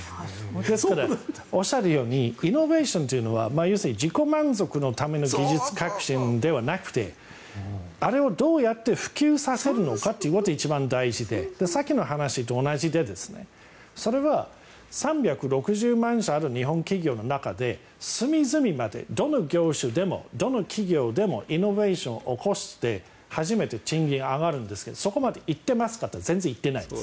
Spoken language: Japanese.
おっしゃるようにイノベーションというのは要するに、自己満足のための技術革新ではなくてあれをどうやって普及させるのかということが一番大事でさっきの話と同じでそれは３６０万社ある日本企業の中で隅々までどの業種でも、どの企業でもイノベーションを起こして初めて賃金が上がるんですがそこまで行ってますかというと全然行ってないです。